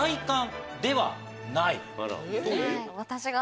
私が。